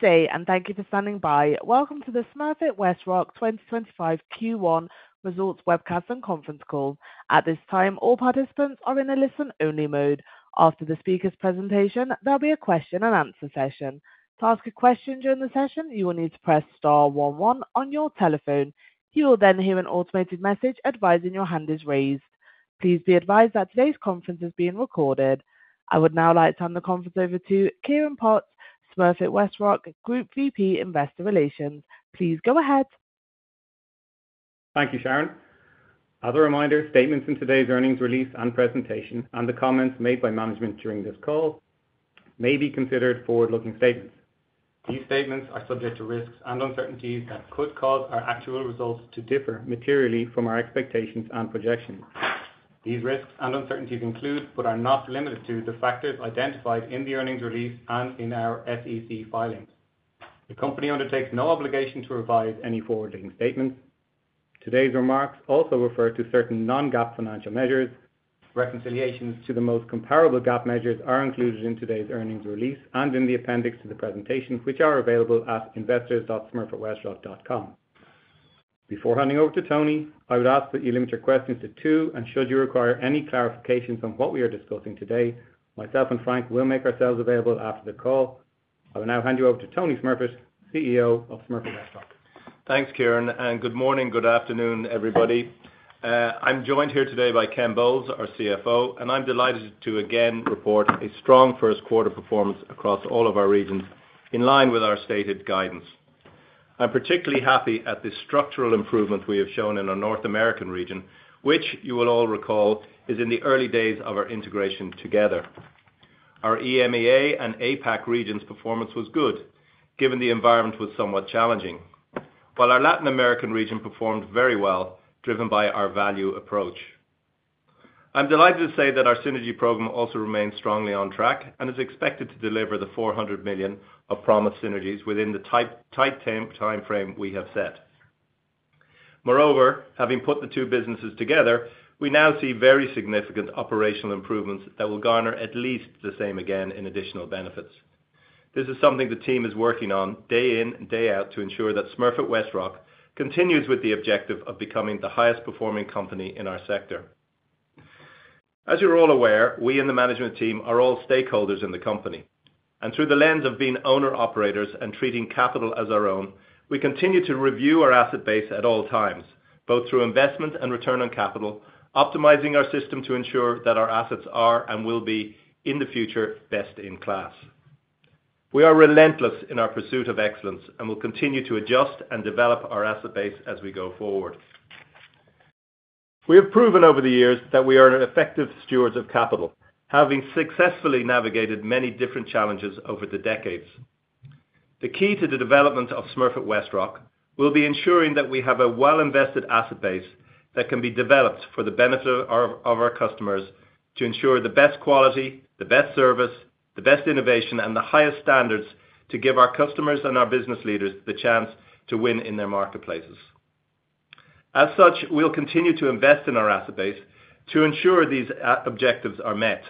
Good day, and thank you for standing by. Welcome to the Smurfit Westrock 2025 Q1 results webcast and conference Call. At this time, all participants are in a listen-only mode. After the speaker's presentation, there will be a question-and-answer session. To ask a question during the session, you will need to press star one one on your telephone. You will then hear an automated message advising your hand is raised. Please be advised that today's conference is being recorded. I would now like to hand the conference over to Ciaran Potts, Smurfit Westrock Group VP Investor Relations. Please go ahead. Thank you, Sharon. As a reminder, statements in today's earnings release and presentation, and the comments made by management during this call, may be considered forward-looking statements. These statements are subject to risks and uncertainties that could cause our actual results to differ materially from our expectations and projections. These risks and uncertainties include, but are not limited to, the factors identified in the earnings release and in our SEC filings. The company undertakes no obligation to provide any forward-looking statements. Today's remarks also refer to certain non-GAAP financial measures. Reconciliations to the most comparable GAAP measures are included in today's earnings release and in the appendix to the presentation, which are available at investors.smurfitwestrock.com. Before handing over to Tony, I would ask that you limit your questions to two, and should you require any clarifications on what we are discussing today, myself and Frank will make ourselves available after the call. I will now hand you over to Tony Smurfit, CEO of Smurfit Westrock. Thanks, Ciaran, and good morning, good afternoon, everybody. I'm joined here today by Ken Bowles, our CFO, and I'm delighted to again report a strong first-quarter performance across all of our regions, in line with our stated guidance. I'm particularly happy at the structural improvement we have shown in our North American region, which, you will all recall, is in the early days of our integration together. Our EMEA and APAC region's performance was good, given the environment was somewhat challenging, while our Latin American region performed very well, driven by our value approach. I'm delighted to say that our synergy program also remains strongly on track and is expected to deliver the $400 million of promised synergies within the tight time frame we have set. Moreover, having put the two businesses together, we now see very significant operational improvements that will garner at least the same again in additional benefits. This is something the team is working on day in and day out to ensure that Smurfit Westrock continues with the objective of becoming the highest-performing company in our sector. As you're all aware, we and the management team are all stakeholders in the company, and through the lens of being owner-operators and treating capital as our own, we continue to review our asset base at all times, both through investment and return on capital, optimizing our system to ensure that our assets are and will be, in the future, best in class. We are relentless in our pursuit of excellence and will continue to adjust and develop our asset base as we go forward. We have proven over the years that we are effective stewards of capital, having successfully navigated many different challenges over the decades. The key to the development of Smurfit Westrock will be ensuring that we have a well-invested asset base that can be developed for the benefit of our customers to ensure the best quality, the best service, the best innovation, and the highest standards to give our customers and our business leaders the chance to win in their marketplaces. As such, we'll continue to invest in our asset base to ensure these objectives are met.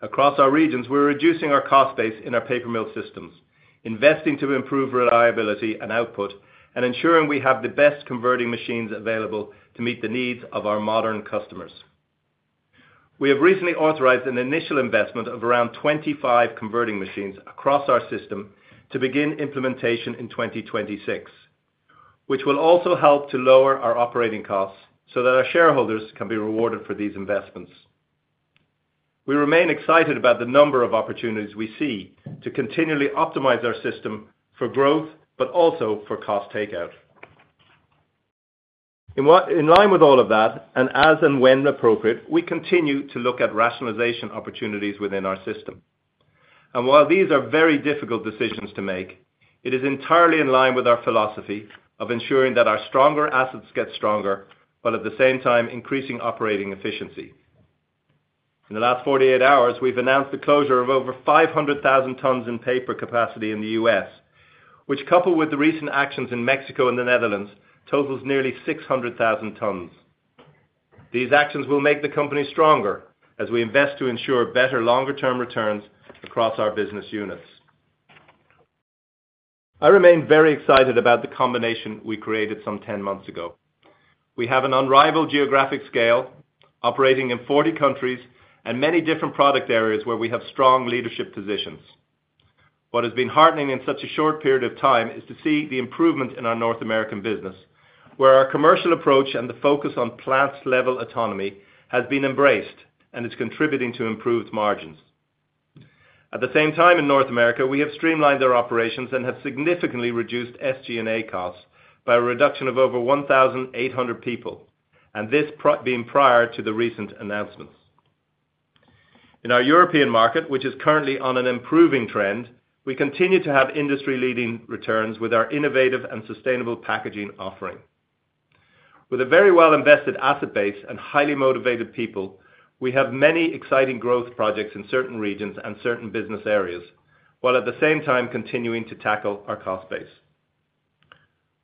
Across our regions, we're reducing our cost base in our paper mill systems, investing to improve reliability and output, and ensuring we have the best converting machines available to meet the needs of our modern customers. We have recently authorized an initial investment of around 25 converting machines across our system to begin implementation in 2026, which will also help to lower our operating costs so that our shareholders can be rewarded for these investments. We remain excited about the number of opportunities we see to continually optimize our system for growth, but also for cost takeout. In line with all of that, as and when appropriate, we continue to look at rationalization opportunities within our system. While these are very difficult decisions to make, it is entirely in line with our philosophy of ensuring that our stronger assets get stronger, while at the same time increasing operating efficiency. In the last 48 hours, we've announced the closure of over 500,000 tons in paper capacity in the U.S., which, coupled with the recent actions in Mexico and the Netherlands, totals nearly 600,000 tons. These actions will make the company stronger as we invest to ensure better longer-term returns across our business units. I remain very excited about the combination we created some 10 months ago. We have an unrivaled geographic scale, operating in 40 countries and many different product areas where we have strong leadership positions. What has been heartening in such a short period of time is to see the improvement in our North American business, where our commercial approach and the focus on plant-level autonomy has been embraced and is contributing to improved margins. At the same time, in North America, we have streamlined our operations and have significantly reduced SG&A costs by a reduction of over 1,800 people, and this being prior to the recent announcements. In our European market, which is currently on an improving trend, we continue to have industry-leading returns with our innovative and sustainable packaging offering. With a very well-invested asset base and highly motivated people, we have many exciting growth projects in certain regions and certain business areas, while at the same time continuing to tackle our cost base.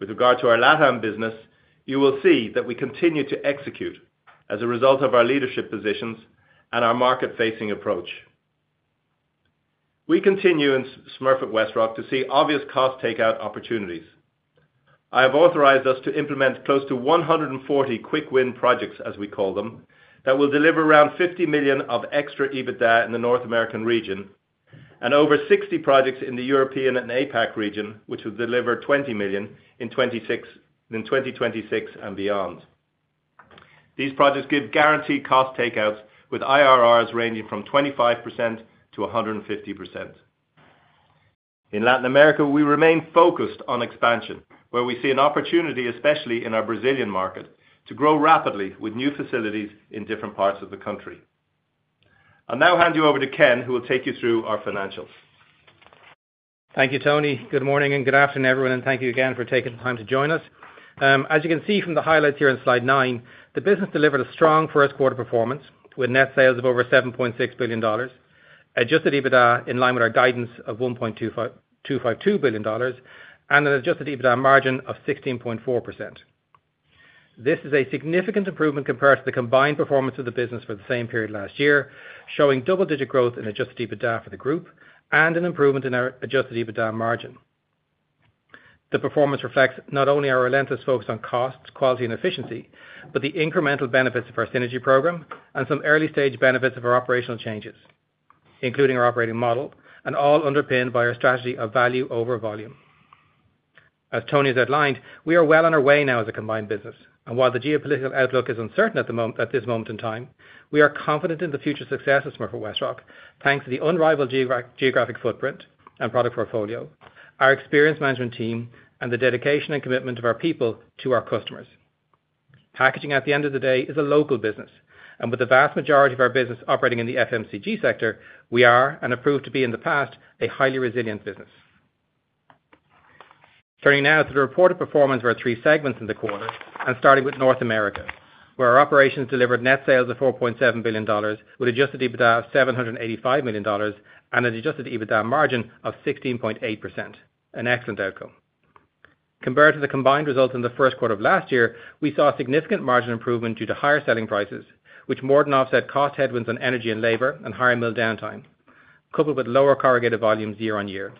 With regard to our LATAM business, you will see that we continue to execute as a result of our leadership positions and our market-facing approach. We continue in Smurfit Westrock to see obvious cost takeout opportunities. I have authorized us to implement close to 140 quick-win projects, as we call them, that will deliver around $50 million of extra EBITDA in the North American region and over 60 projects in the European and APAC region, which will deliver $20 million in 2026 and beyond. These projects give guaranteed cost takeouts with IRRs ranging from 25% to 150%. In Latin America, we remain focused on expansion, where we see an opportunity, especially in our Brazilian market, to grow rapidly with new facilities in different parts of the country. I'll now hand you over to Ken, who will take you through our financials. Thank you, Tony. Good morning and good afternoon, everyone, and thank you again for taking the time to join us. As you can see from the highlights here in slide nine, the business delivered a strong first-quarter performance with net sales of over $7.6 billion, adjusted EBITDA in line with our guidance of $1.252 billion, and an adjusted EBITDA margin of 16.4%. This is a significant improvement compared to the combined performance of the business for the same period last year, showing double-digit growth in adjusted EBITDA for the group and an improvement in our adjusted EBITDA margin. The performance reflects not only our relentless focus on cost, quality, and efficiency, but the incremental benefits of our synergy program and some early-stage benefits of our operational changes, including our operating model, and all underpinned by our strategy of value over volume. As Tony has outlined, we are well on our way now as a combined business, and while the geopolitical outlook is uncertain at this moment in time, we are confident in the future success of Smurfit Westrock thanks to the unrivaled geographic footprint and product portfolio, our experienced management team, and the dedication and commitment of our people to our customers. Packaging, at the end of the day, is a local business, and with the vast majority of our business operating in the FMCG sector, we are, and have proved to be in the past, a highly resilient business. Turning now to the reported performance of our three segments in the quarter, and starting with North America, where our operations delivered net sales of $4.7 billion, with adjusted EBITDA of $785 million, and an adjusted EBITDA margin of 16.8%, an excellent outcome. Compared to the combined results in the first quarter of last year, we saw a significant margin improvement due to higher selling prices, which more than offset cost headwinds on energy and labor and higher mill downtime, coupled with lower corrugated volumes year on year.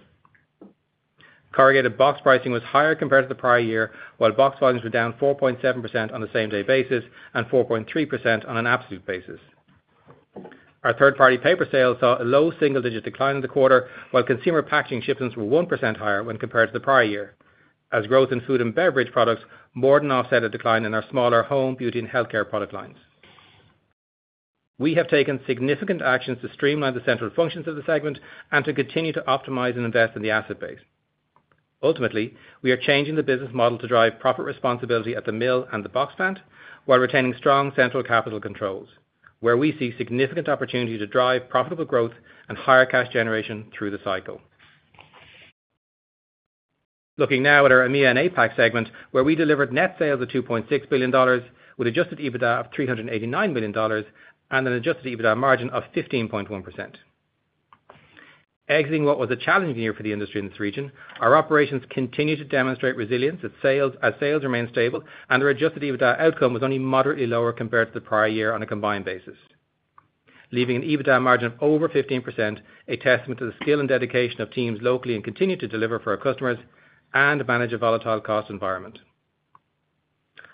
Corrugated box pricing was higher compared to the prior year, while box volumes were down 4.7% on a same-day basis and 4.3% on an absolute basis. Our third-party paper sales saw a low single-digit decline in the quarter, while consumer packaging shipments were 1% higher when compared to the prior year, as growth in food and beverage products more than offset a decline in our smaller home, beauty, and healthcare product lines. We have taken significant actions to streamline the central functions of the segment and to continue to optimize and invest in the asset base. Ultimately, we are changing the business model to drive profit responsibility at the mill and the box plant, while retaining strong central capital controls, where we see significant opportunity to drive profitable growth and higher cash generation through the cycle. Looking now at our EMEA and APAC segment, where we delivered net sales of $2.6 billion, with adjusted EBITDA of $389 million, and an adjusted EBITDA margin of 15.1%. Exiting what was a challenging year for the industry in this region, our operations continue to demonstrate resilience as sales remain stable, and our adjusted EBITDA outcome was only moderately lower compared to the prior year on a combined basis, leaving an EBITDA margin of over 15%, a testament to the skill and dedication of teams locally in continuing to deliver for our customers and manage a volatile cost environment.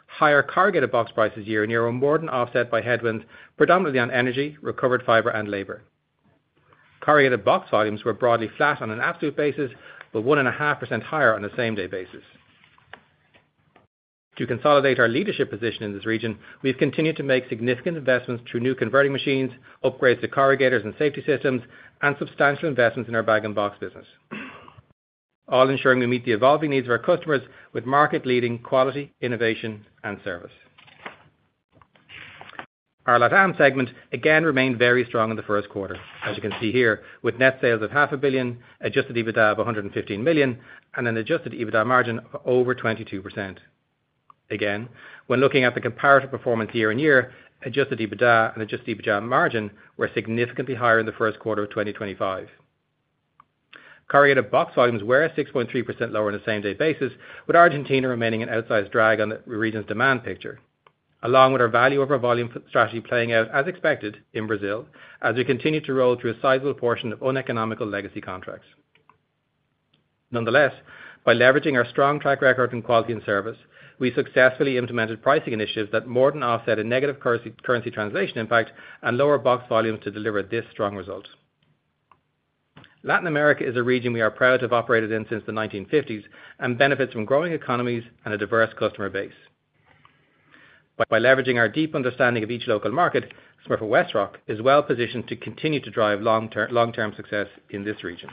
Higher corrugated box prices year on year were more than offset by headwinds, predominantly on energy, recovered fiber, and labor. Corrugated box volumes were broadly flat on an absolute basis, but 1.5% higher on a same-day basis. To consolidate our leadership position in this region, we've continued to make significant investments through new converting machines, upgrades to corrugators and safety systems, and substantial investments in our Bag-in-Box business, all ensuring we meet the evolving needs of our customers with market-leading quality, innovation, and service. Our LATAM segment again remained very strong in the first quarter, as you can see here, with net sales of $500,000,000, adjusted EBITDA of $115,000,000, and an adjusted EBITDA margin of over 22%. Again, when looking at the comparative performance year on year, adjusted EBITDA and adjusted EBITDA margin were significantly higher in the first quarter of 2025. Corrugated box volumes were 6.3% lower on a same-day basis, with Argentina remaining an outsized drag on the region's demand picture, along with our value over volume strategy playing out as expected in Brazil, as we continue to roll through a sizable portion of uneconomical legacy contracts. Nonetheless, by leveraging our strong track record in quality and service, we successfully implemented pricing initiatives that more than offset a negative currency translation impact and lower box volumes to deliver this strong result. Latin America is a region we are proud to have operated in since the 1950s and benefits from growing economies and a diverse customer base. By leveraging our deep understanding of each local market, Smurfit Westrock is well positioned to continue to drive long-term success in this region.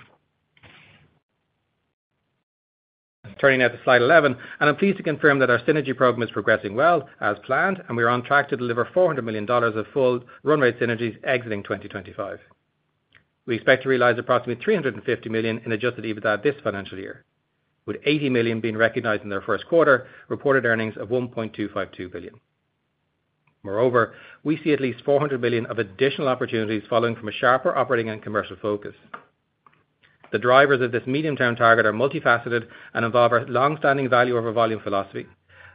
Turning now to slide 11, and I'm pleased to confirm that our synergy program is progressing well as planned, and we are on track to deliver $400 million of full runway synergies exiting 2025. We expect to realize approximately $350 million in adjusted EBITDA this financial year, with $80 million being recognized in our first quarter reported earnings of $1.252 billion. Moreover, we see at least $400 million of additional opportunities following from a sharper operating and commercial focus. The drivers of this medium-term target are multifaceted and involve a long-standing value over volume philosophy,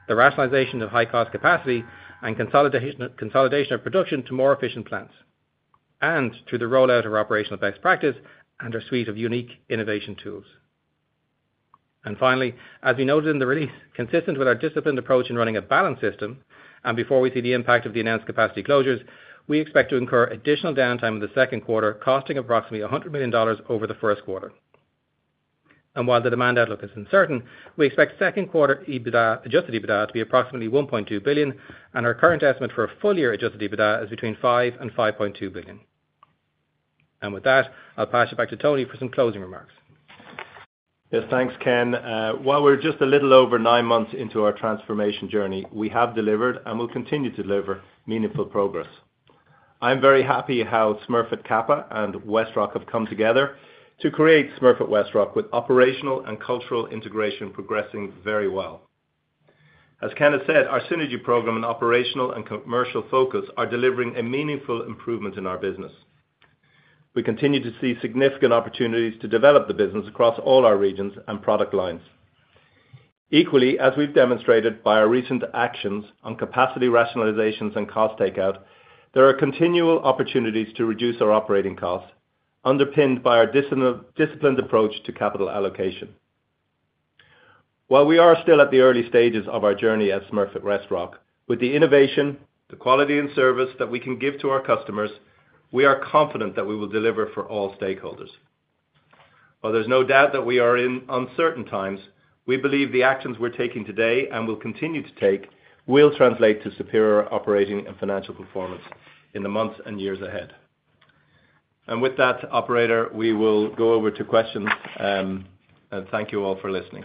the rationalization of high-cost capacity, and consolidation of production to more efficient plants, and through the rollout of our operational best practice and our suite of unique innovation tools. Finally, as we noted in the release, consistent with our disciplined approach in running a balanced system, and before we see the impact of the announced capacity closures, we expect to incur additional downtime in the second quarter, costing approximately $100 million over the first quarter. While the demand outlook is uncertain, we expect second-quarter adjusted EBITDA to be approximately $1.2 billion, and our current estimate for full-year adjusted EBITDA is between $5 billion and $5.2 billion. With that, I'll pass you back to Tony for some closing remarks. Yes, thanks, Ken. While we're just a little over nine months into our transformation journey, we have delivered and will continue to deliver meaningful progress. I'm very happy how Smurfit Kappa and WestRock have come together to create Smurfit Westrock, with operational and cultural integration progressing very well. As Ken has said, our synergy program and operational and commercial focus are delivering a meaningful improvement in our business. We continue to see significant opportunities to develop the business across all our regions and product lines. Equally, as we've demonstrated by our recent actions on capacity rationalizations and cost takeout, there are continual opportunities to reduce our operating costs, underpinned by our disciplined approach to capital allocation. While we are still at the early stages of our journey at Smurfit Westrock, with the innovation, the quality, and service that we can give to our customers, we are confident that we will deliver for all stakeholders. While there is no doubt that we are in uncertain times, we believe the actions we are taking today and will continue to take will translate to superior operating and financial performance in the months and years ahead. With that, operator, we will go over to questions, and thank you all for listening.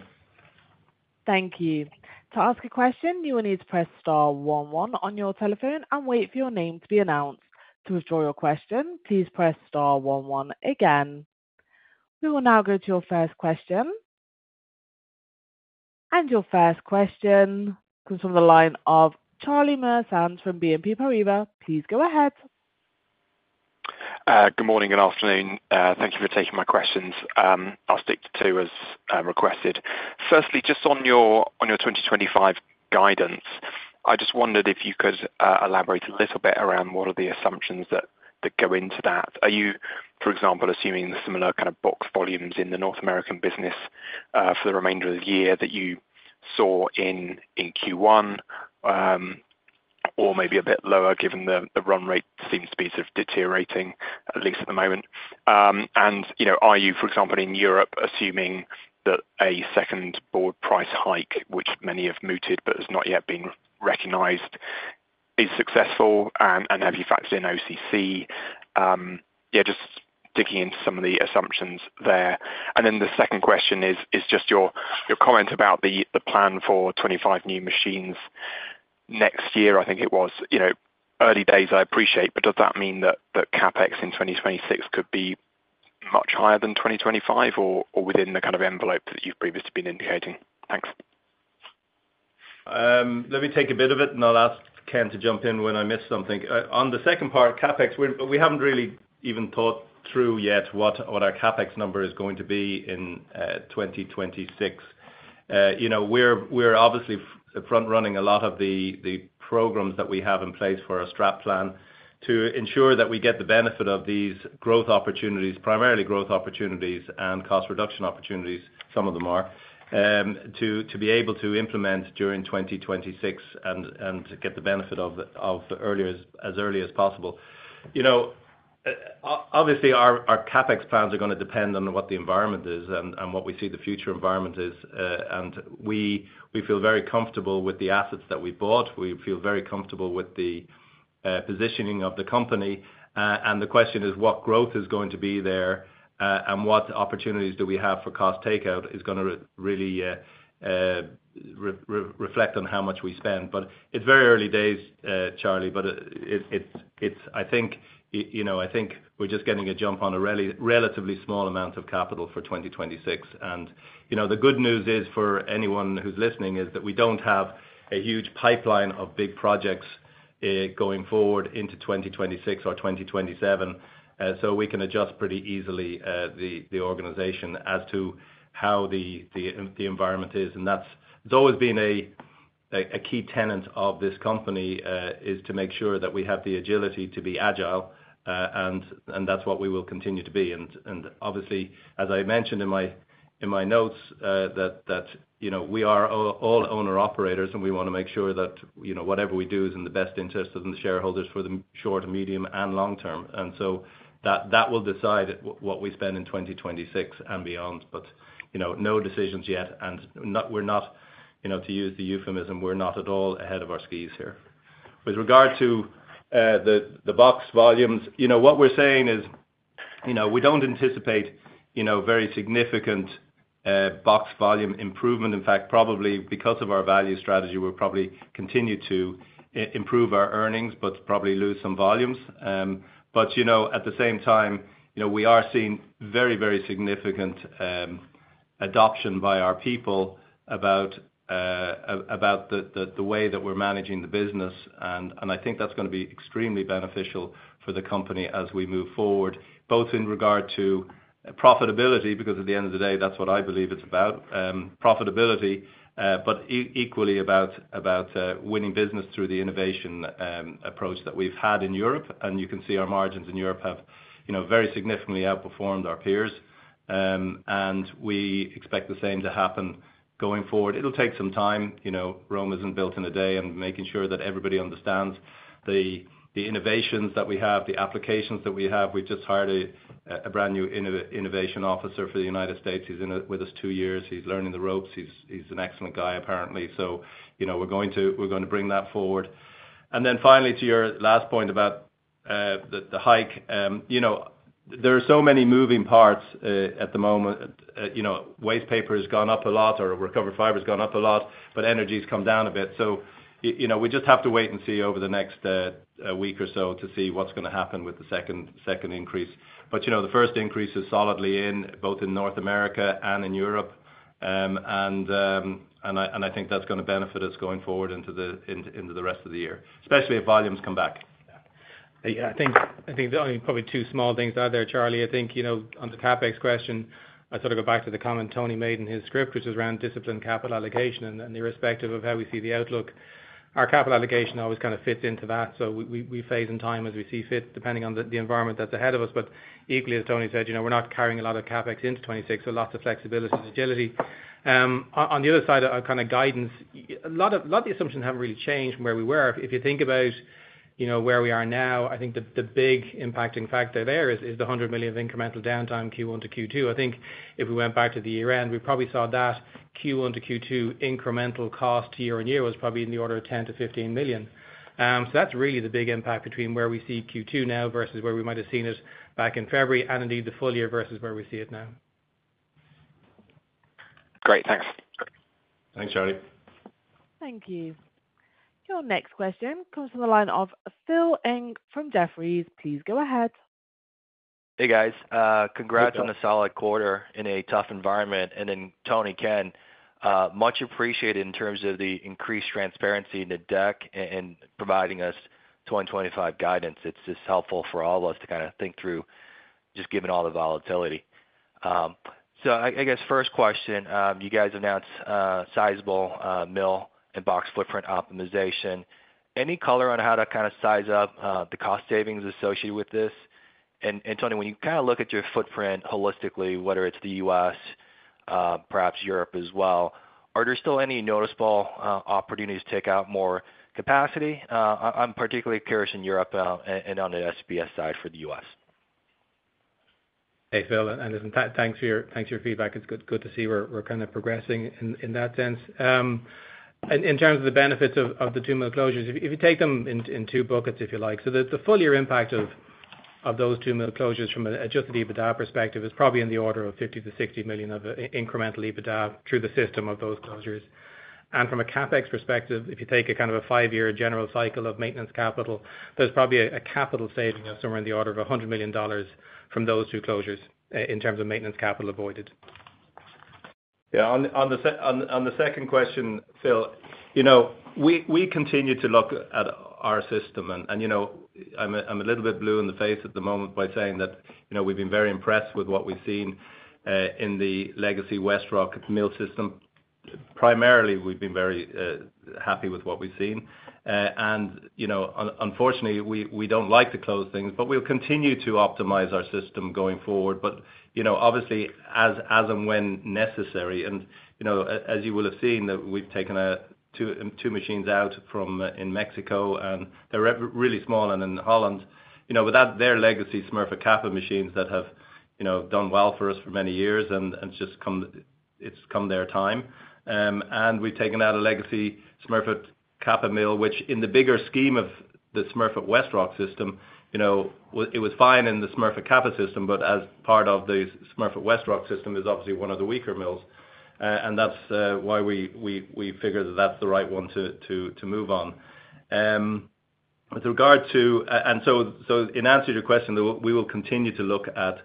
Thank you. To ask a question, you will need to press star 11 on your telephone and wait for your name to be announced. To withdraw your question, please press star 11 again. We will now go to your first question. Your first question comes from the line of Charlie Muir-Sands from BNP Paribas. Please go ahead. Good morning and afternoon. Thank you for taking my questions. I'll stick to two as requested. Firstly, just on your 2025 guidance, I just wondered if you could elaborate a little bit around what are the assumptions that go into that. Are you, for example, assuming the similar kind of box volumes in the North American business for the remainder of the year that you saw in Q1, or maybe a bit lower given the run rate seems to be sort of deteriorating, at least at the moment? Are you, for example, in Europe assuming that a second board price hike, which many have mooted but has not yet been recognized, is successful? Have you factored in OCC? Yeah, just digging into some of the assumptions there. The second question is just your comment about the plan for 25 new machines next year, I think it was. Early days, I appreciate, but does that mean that CapEx in 2026 could be much higher than 2025 or within the kind of envelope that you have previously been indicating? Thanks. Let me take a bit of it, and I'll ask Ken to jump in when I miss something. On the second part, CapEx, we haven't really even thought through yet what our CapEx number is going to be in 2026. We're obviously front-running a lot of the programs that we have in place for our strat plan to ensure that we get the benefit of these growth opportunities, primarily growth opportunities and cost reduction opportunities, some of them are, to be able to implement during 2026 and get the benefit of as early as possible. Obviously, our CapEx plans are going to depend on what the environment is and what we see the future environment is. We feel very comfortable with the assets that we bought. We feel very comfortable with the positioning of the company. The question is what growth is going to be there and what opportunities do we have for cost takeout is going to really reflect on how much we spend. It is very early days, Charlie, but I think we are just getting a jump on a relatively small amount of capital for 2026. The good news is for anyone who is listening is that we do not have a huge pipeline of big projects going forward into 2026 or 2027, so we can adjust pretty easily the organization as to how the environment is. That has always been a key tenet of this company, to make sure that we have the agility to be agile, and that is what we will continue to be. Obviously, as I mentioned in my notes, we are all owner-operators, and we want to make sure that whatever we do is in the best interest of the shareholders for the short, medium, and long term. That will decide what we spend in 2026 and beyond, but no decisions yet. We are not, to use the euphemism, at all ahead of our skis here. With regard to the box volumes, what we are saying is we do not anticipate very significant box volume improvement. In fact, probably because of our value strategy, we will probably continue to improve our earnings, but probably lose some volumes. At the same time, we are seeing very, very significant adoption by our people about the way that we are managing the business. I think that's going to be extremely beneficial for the company as we move forward, both in regard to profitability, because at the end of the day, that's what I believe it's about, profitability, but equally about winning business through the innovation approach that we've had in Europe. You can see our margins in Europe have very significantly outperformed our peers, and we expect the same to happen going forward. It'll take some time. Rome isn't built in a day, and making sure that everybody understands the innovations that we have, the applications that we have. We've just hired a brand new innovation officer for the United States. He's with us two years. He's learning the ropes. He's an excellent guy, apparently. We're going to bring that forward. Finally, to your last point about the hike, there are so many moving parts at the moment. Waste paper has gone up a lot, or recovered fiber has gone up a lot, but energy has come down a bit. We just have to wait and see over the next week or so to see what's going to happen with the second increase. The first increase is solidly in both North America and in Europe, and I think that's going to benefit us going forward into the rest of the year, especially if volumes come back. Yeah, I think the only probably two small things out there, Charlie. I think on the CapEx question, I sort of go back to the comment Tony made in his script, which was around disciplined capital allocation and the respective of how we see the outlook. Our capital allocation always kind of fits into that. We phase in time as we see fit, depending on the environment that's ahead of us. Equally, as Tony said, we're not carrying a lot of CapEx into 2026, so lots of flexibility and agility. On the other side of kind of guidance, a lot of the assumptions haven't really changed from where we were. If you think about where we are now, I think the big impacting factor there is the $100 million of incremental downtime Q1 to Q2. I think if we went back to the year-end, we probably saw that Q1 to Q2 incremental cost year on year was probably in the order of $10 million-$15 million. That is really the big impact between where we see Q2 now versus where we might have seen it back in February and indeed the full year versus where we see it now. Great. Thanks. Thanks, Charlie. Thank you. Your next question comes from the line of Phil Ng from Jefferies. Please go ahead. Hey, guys. Congrats on a solid quarter in a tough environment. Tony, Ken, much appreciated in terms of the increased transparency in the deck and providing us 2025 guidance. It's just helpful for all of us to kind of think through, just given all the volatility. I guess first question, you guys announced sizable mill and box footprint optimization. Any color on how to kind of size up the cost savings associated with this? Tony, when you kind of look at your footprint holistically, whether it's the US, perhaps Europe as well, are there still any noticeable opportunities to take out more capacity? I'm particularly curious in Europe and on the SBS side for the U.S. Hey, Phil. Thanks for your feedback. It's good to see we're kind of progressing in that sense. In terms of the benefits of the two mill closures, if you take them in two buckets, if you like, the full-year impact of those two mill closures from an adjusted EBITDA perspective is probably in the order of $50 million-$60 million of incremental EBITDA through the system of those closures. From a CapEx perspective, if you take a kind of five-year general cycle of maintenance capital, there's probably a capital saving of somewhere in the order of $100 million from those two closures in terms of maintenance capital avoided. Yeah. On the second question, Phil, we continue to look at our system. I'm a little bit blue in the face at the moment by saying that we've been very impressed with what we've seen in the legacy WestRock mill system. Primarily, we've been very happy with what we've seen. Unfortunately, we don't like to close things, but we'll continue to optimize our system going forward, obviously as and when necessary. As you will have seen, we've taken two machines out in Mexico, and they're really small. In Holland, with their legacy Smurfit Kappa machines that have done well for us for many years, it's come their time. We have taken out a legacy Smurfit Kappa mill, which in the bigger scheme of the Smurfit Westrock system, it was fine in the Smurfit Kappa system, but as part of the Smurfit Westrock system is obviously one of the weaker mills. That is why we figured that is the right one to move on. With regard to, in answer to your question, we will continue to look at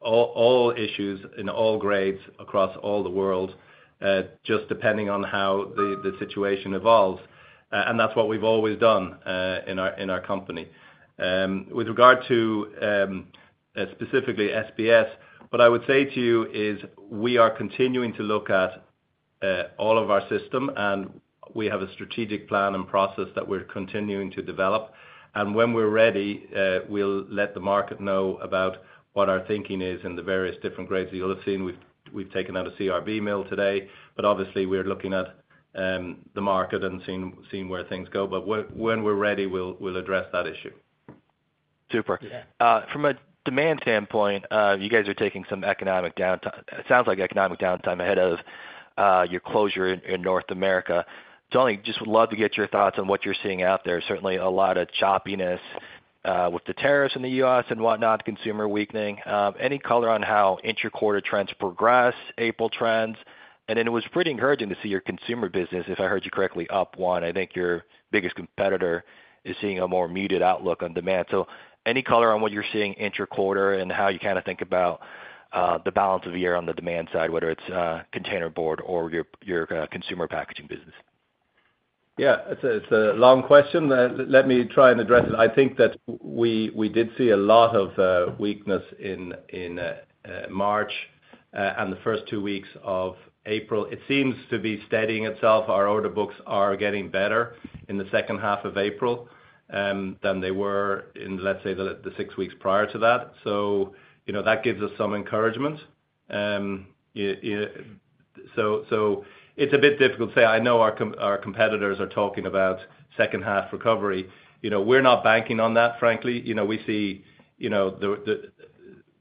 all issues in all grades across all the world, just depending on how the situation evolves. That is what we have always done in our company. With regard to specifically SBS, what I would say to you is we are continuing to look at all of our system, and we have a strategic plan and process that we are continuing to develop. When we are ready, we will let the market know about what our thinking is in the various different grades. You'll have seen we've taken out a CRB mill today, obviously, we're looking at the market and seeing where things go. When we're ready, we'll address that issue. Super. From a demand standpoint, you guys are taking some economic downtime. It sounds like economic downtime ahead of your closure in North America. Tony, just would love to get your thoughts on what you're seeing out there. Certainly, a lot of choppiness with the tariffs in the U.S. and whatnot, consumer weakening. Any color on how interquarter trends progress, April trends? It was pretty encouraging to see your consumer business, if I heard you correctly, up one. I think your biggest competitor is seeing a more muted outlook on demand. Any color on what you're seeing interquarter and how you kind of think about the balance of the year on the demand side, whether it's containerboard or your consumer packaging business? Yeah. It's a long question. Let me try and address it. I think that we did see a lot of weakness in March and the first two weeks of April. It seems to be steadying itself. Our order books are getting better in the second half of April than they were in, let's say, the six weeks prior to that. That gives us some encouragement. It's a bit difficult to say. I know our competitors are talking about second-half recovery. We're not banking on that, frankly. We see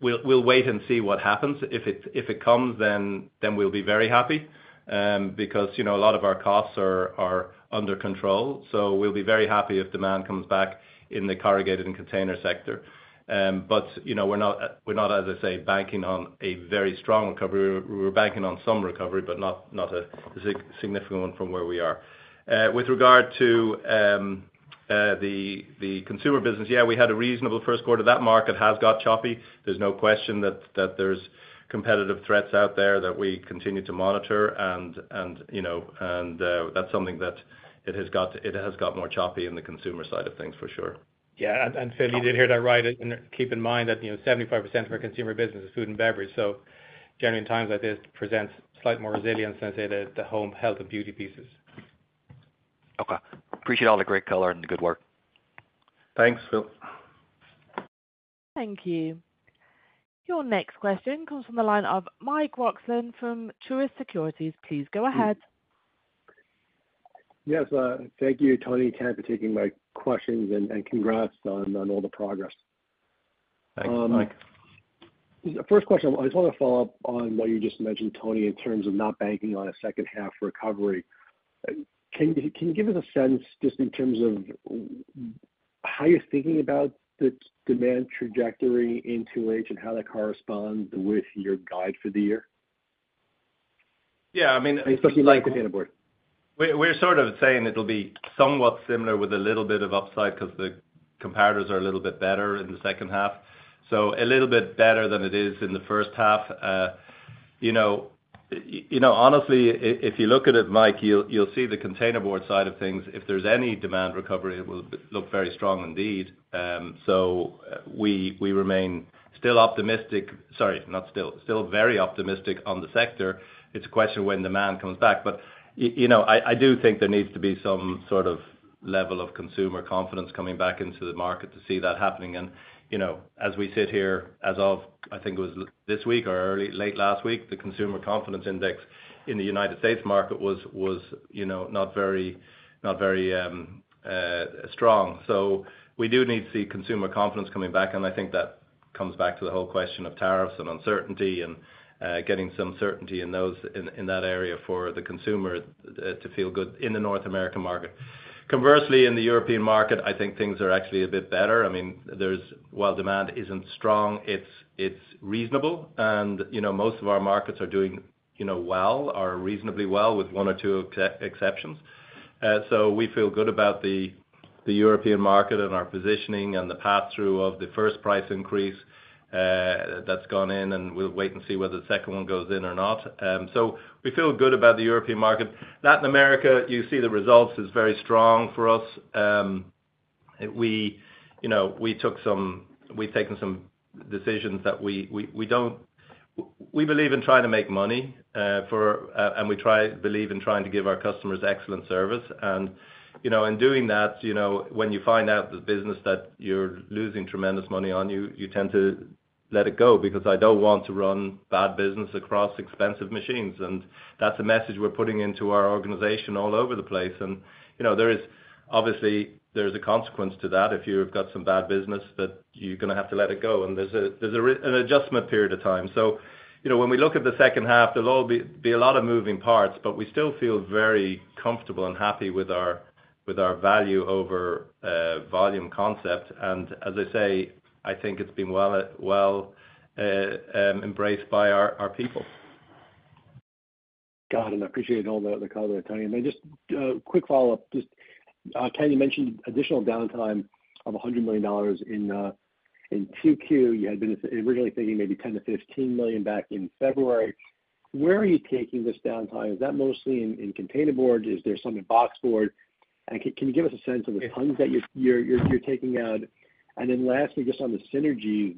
we'll wait and see what happens. If it comes, then we'll be very happy because a lot of our costs are under control. We'll be very happy if demand comes back in the corrugated and container sector. We're not, as I say, banking on a very strong recovery. We were banking on some recovery, but not a significant one from where we are. With regard to the consumer business, yeah, we had a reasonable first quarter. That market has got choppy. There is no question that there are competitive threats out there that we continue to monitor. That is something that has got more choppy in the consumer side of things, for sure. Yeah. Phil, you did hear that right. Keep in mind that 75% of our consumer business is food and beverage. Generally, in times like this, it presents slight more resilience than, say, the home health and beauty pieces. Okay. Appreciate all the great color and the good work. Thanks, Phil. Thank you. Your next question comes from the line of Mike Roxland from Truist Securities. Please go ahead. Yes. Thank you, Tony, Ken, for taking my questions and congrats on all the progress. Thanks. Mike. First question, I just want to follow up on what you just mentioned, Tony, in terms of not banking on a second-half recovery. Can you give us a sense just in terms of how you're thinking about the demand trajectory in two weeks and how that corresponds with your guide for the year? Yeah. I mean. Especially like containerboard. We're sort of saying it'll be somewhat similar with a little bit of upside because the comparators are a little bit better in the second half. A little bit better than it is in the first half. Honestly, if you look at it, Mike, you'll see the containerboard side of things. If there's any demand recovery, it will look very strong indeed. We remain still very optimistic on the sector. It's a question of when demand comes back. I do think there needs to be some sort of level of consumer confidence coming back into the market to see that happening. As we sit here, as of, I think it was this week or late last week, the consumer confidence index in the U.S. market was not very strong. We do need to see consumer confidence coming back. I think that comes back to the whole question of tariffs and uncertainty and getting some certainty in that area for the consumer to feel good in the North American market. Conversely, in the European market, I think things are actually a bit better. I mean, while demand isn't strong, it's reasonable. Most of our markets are doing well, or reasonably well, with one or two exceptions. We feel good about the European market and our positioning and the pass-through of the first price increase that's gone in. We'll wait and see whether the second one goes in or not. We feel good about the European market. Latin America, you see the results is very strong for us. We took some—we've taken some decisions that we don't—we believe in trying to make money, and we believe in trying to give our customers excellent service. In doing that, when you find out the business that you're losing tremendous money on, you tend to let it go because I don't want to run bad business across expensive machines. That is a message we're putting into our organization all over the place. Obviously, there's a consequence to that. If you've got some bad business, you're going to have to let it go. There's an adjustment period of time. When we look at the second half, there will be a lot of moving parts, but we still feel very comfortable and happy with our value over volume concept. As I say, I think it's been well embraced by our people. Got it. I appreciate all the color, Tony. Just a quick follow-up. Kenny mentioned additional downtime of $100 million in Q2. You had been originally thinking maybe $10 million-$15 million back in February. Where are you taking this downtime? Is that mostly in containerboard? Is there some in boxboard? Can you give us a sense of the tons that you're taking out? Lastly, just on the synergies,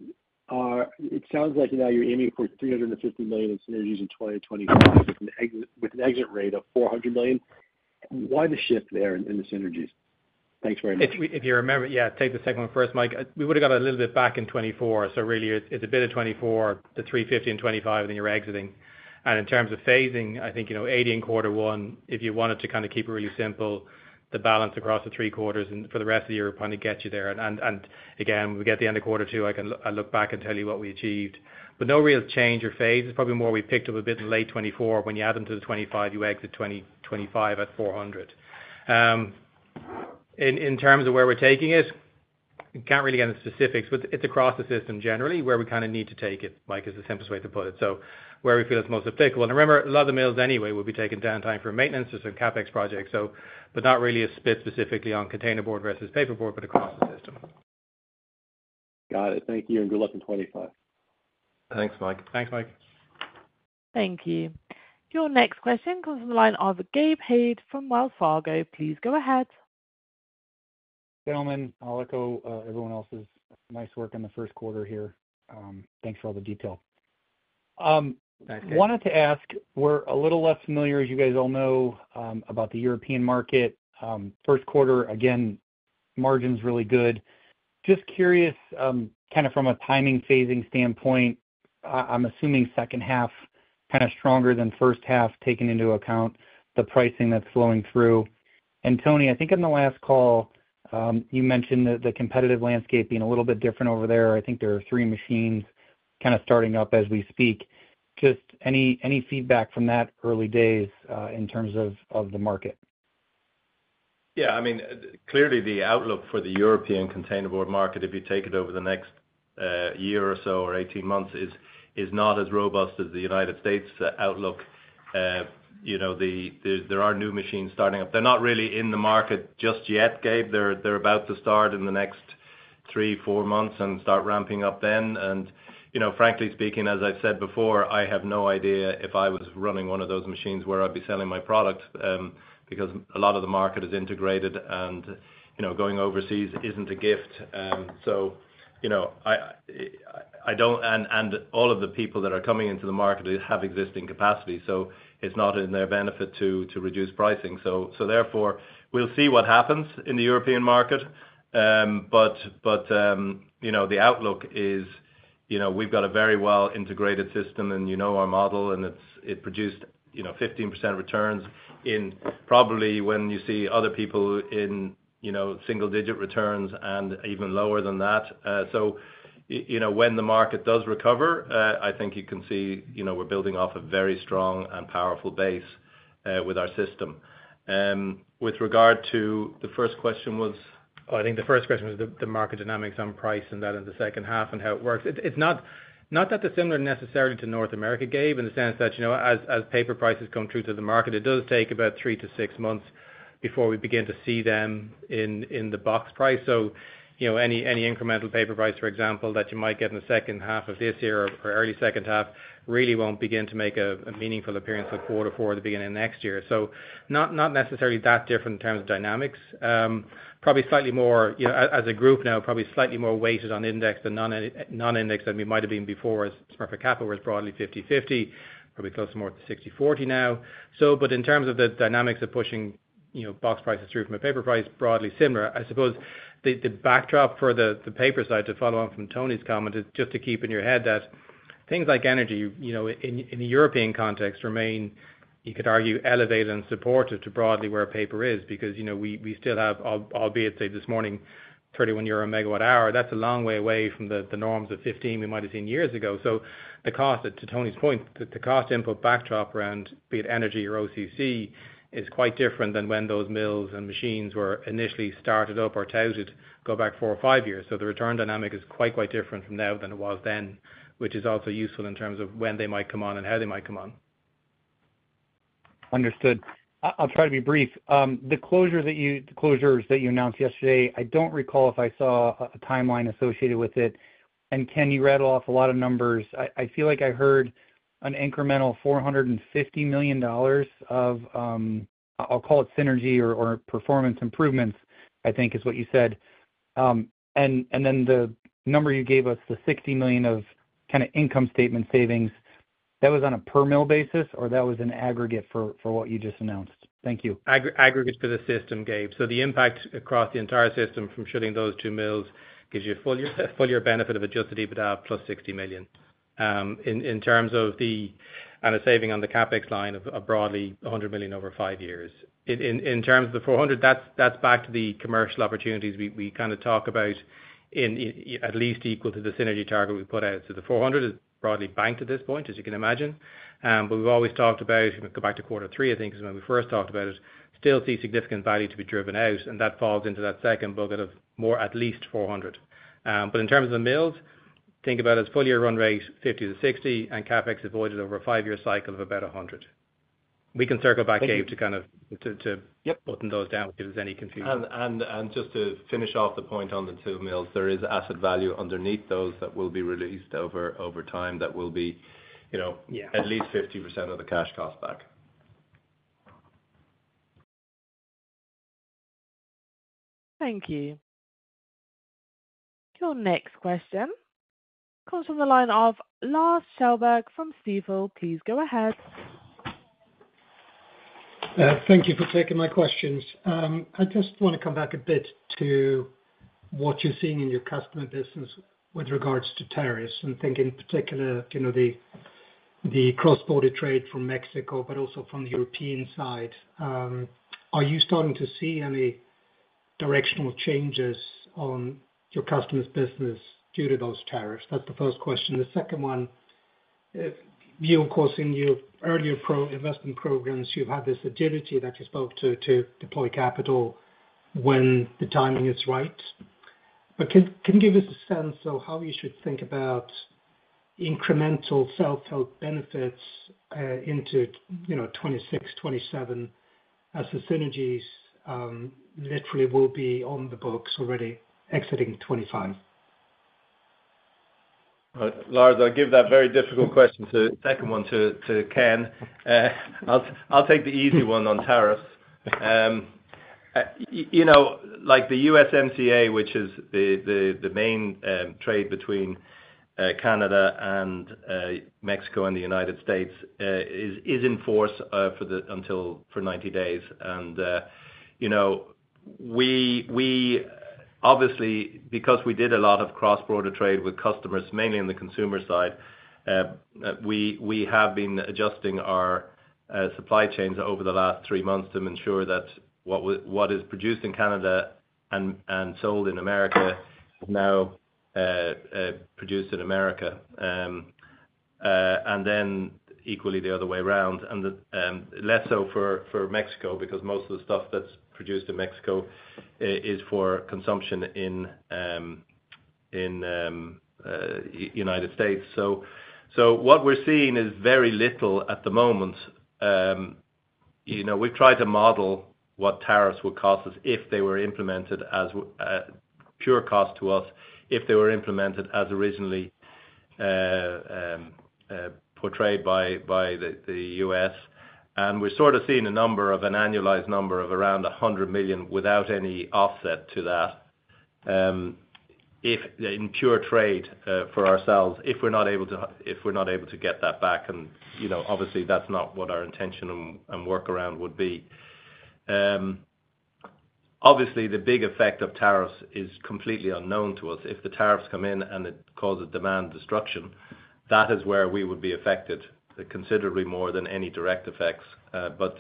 it sounds like now you're aiming for $350 million in synergies in 2025 with an exit rate of $400 million. Why the shift there in the synergies? Thanks very much. If you remember, yeah, take the second one first, Mike. We would have got a little bit back in 2024. So really, it's a bit of 2024, the 350 in 2025, and then you're exiting. In terms of phasing, I think 80 in quarter one, if you wanted to kind of keep it really simple, the balance across the three quarters for the rest of the year will probably get you there. Again, we get the end of quarter two, I can look back and tell you what we achieved. No real change or phase. It's probably more we picked up a bit in late 2024. When you add them to the 2025, you exit 2025 at 400. In terms of where we're taking it, I can't really get into specifics, but it's across the system generally. Where we kind of need to take it, Mike, is the simplest way to put it. Where we feel it's most applicable. Remember, a lot of the mills anyway will be taking downtime for maintenance or some CapEx projects, but not really a split specifically on containerboard versus paperboard, but across the system. Got it. Thank you. Good luck in 2025. Thanks, Mike. Thank you. Your next question comes from the line of Gabe Hajde from Wells Fargo. Please go ahead. Gentlemen, I'll echo everyone else's nice work in the first quarter here. Thanks for all the detail. Thanks, Gabe. I wanted to ask, we're a little less familiar, as you guys all know, about the European market. First quarter, again, margins really good. Just curious, kind of from a timing phasing standpoint, I'm assuming second half kind of stronger than first half, taking into account the pricing that's flowing through. Tony, I think in the last call, you mentioned that the competitive landscape being a little bit different over there. I think there are three machines kind of starting up as we speak. Just any feedback from that early days in terms of the market? Yeah. I mean, clearly, the outlook for the European containerboard market, if you take it over the next year or so or 18 months, is not as robust as the United States outlook. There are new machines starting up. They're not really in the market just yet, Gabe. They're about to start in the next three, four months and start ramping up then. Frankly speaking, as I've said before, I have no idea if I was running one of those machines where I'd be selling my product because a lot of the market is integrated, and going overseas isn't a gift. I don't—and all of the people that are coming into the market have existing capacity. It's not in their benefit to reduce pricing. Therefore, we'll see what happens in the European market. The outlook is we've got a very well-integrated system, and you know our model, and it produced 15% returns in probably when you see other people in single-digit returns and even lower than that. When the market does recover, I think you can see we're building off a very strong and powerful base with our system. With regard to the first question was? Oh, I think the first question was the market dynamics on price and that in the second half and how it works. It's not that dissimilar necessarily to North America, Gabe, in the sense that as paper prices come true to the market, it does take about three to six months before we begin to see them in the box price. Any incremental paper price, for example, that you might get in the second half of this year or early second half really won't begin to make a meaningful appearance in quarter four at the beginning of next year. Not necessarily that different in terms of dynamics. Probably slightly more as a group now, probably slightly more weighted on index than non-index than we might have been before as Smurfit Kappa was broadly 50/50, probably closer more to 60/40 now. In terms of the dynamics of pushing box prices through from a paper price, broadly similar. I suppose the backdrop for the paper side to follow on from Tony's comment is just to keep in your head that things like energy in the European context remain, you could argue, elevated and supportive to broadly where paper is because we still have, albeit say this morning, 31 euro a megawatt hour. That is a long way away from the norms of 15 we might have seen years ago. To Tony's point, the cost input backdrop around, be it energy or OCC, is quite different than when those mills and machines were initially started up or touted go back four or five years. The return dynamic is quite, quite different from now than it was then, which is also useful in terms of when they might come on and how they might come on. Understood. I'll try to be brief. The closures that you announced yesterday, I don't recall if I saw a timeline associated with it. Kenny, you rattled off a lot of numbers. I feel like I heard an incremental $450 million of, I'll call it synergy or performance improvements, I think is what you said. The number you gave us, the $60 million of kind of income statement savings, that was on a per-mill basis or that was an aggregate for what you just announced? Thank you. Aggregate for the system, Gabe. The impact across the entire system from shutting those two mills gives you a full year benefit of a just deeper dive plus $60 million in terms of the saving on the CapEx line of broadly $100 million over five years. In terms of the $400 million, that's back to the commercial opportunities we kind of talk about at least equal to the synergy target we put out. The $400 million is broadly banked at this point, as you can imagine. We've always talked about, go back to quarter three, I think, is when we first talked about it, still see significant value to be driven out. That falls into that second bucket of more at least $400 million. In terms of the mills, think about it as full year run rate, 50-60, and CapEx avoided over a five-year cycle of about 100. We can circle back, Gabe, to kind of button those down if there's any confusion. Just to finish off the point on the two mills, there is asset value underneath those that will be released over time that will be at least 50% of the cash cost back. Thank you. Your next question comes from the line of Lars Kjellberg from Seaport Research Partners. Please go ahead. Thank you for taking my questions. I just want to come back a bit to what you're seeing in your customer business with regards to tariffs and think in particular the cross-border trade from Mexico, but also from the European side. Are you starting to see any directional changes on your customer's business due to those tariffs? That's the first question. The second one, you of course, in your earlier investment programs, you've had this agility that you spoke to deploy capital when the timing is right. Can you give us a sense of how you should think about incremental self-help benefits into 2026, 2027 as the synergies literally will be on the books already exiting 2025? Lars, I'll give that very difficult question, second one, to Ken. I'll take the easy one on tariffs. Like the USMCA, which is the main trade between Canada and Mexico and the United States, is in force for 90 days. Obviously, because we did a lot of cross-border trade with customers, mainly on the consumer side, we have been adjusting our supply chains over the last three months to ensure that what is produced in Canada and sold in America is now produced in America. Equally the other way around. Less so for Mexico because most of the stuff that's produced in Mexico is for consumption in the United States. What we're seeing is very little at the moment. We've tried to model what tariffs would cost us if they were implemented as pure cost to us, if they were implemented as originally portrayed by the U.S. We are sort of seeing a number, an annualized number of around $100 million without any offset to that in pure trade for ourselves if we're not able to get that back. Obviously, that's not what our intention and workaround would be. Obviously, the big effect of tariffs is completely unknown to us. If the tariffs come in and it causes demand destruction, that is where we would be affected considerably more than any direct effects. That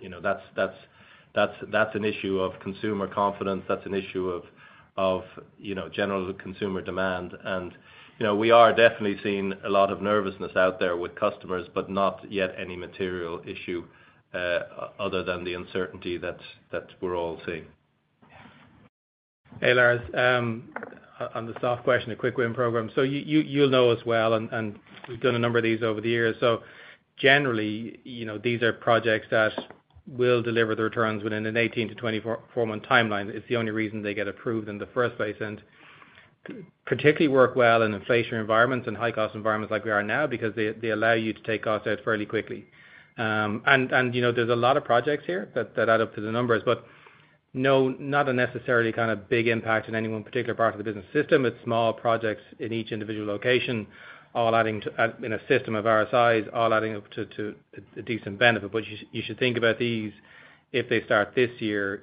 is an issue of consumer confidence. That is an issue of general consumer demand. We are definitely seeing a lot of nervousness out there with customers, but not yet any material issue other than the uncertainty that we're all seeing. Hey, Lars. On the soft question, the quick win program. You know as well, and we've done a number of these over the years. Generally, these are projects that will deliver the returns within an 18-24 month timeline. It's the only reason they get approved in the first place and particularly work well in inflationary environments and high-cost environments like we are now because they allow you to take costs out fairly quickly. There's a lot of projects here that add up to the numbers, but not a necessarily kind of big impact in any one particular part of the business system. It's small projects in each individual location, all adding to in a system of RSIs, all adding up to a decent benefit. You should think about these if they start this year,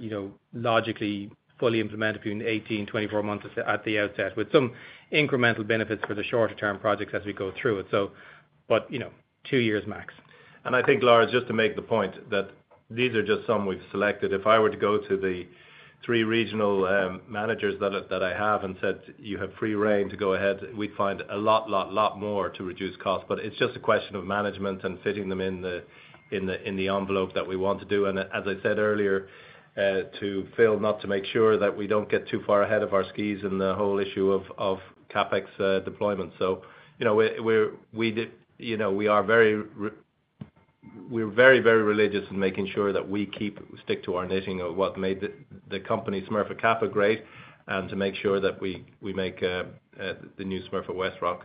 logically fully implemented between 18-24 months at the outset with some incremental benefits for the shorter-term projects as we go through it. Two years max. I think, Lars, just to make the point that these are just some we've selected. If I were to go to the three regional managers that I have and said, "You have free reign to go ahead," we'd find a lot, lot, lot more to reduce costs. It is just a question of management and fitting them in the envelope that we want to do. As I said earlier to Phil, not to make sure that we don't get too far ahead of our skis in the whole issue of CapEx deployment. We are very religious in making sure that we stick to our knitting of what made the company Smurfit Kappa great and to make sure that we make the new Smurfit Westrock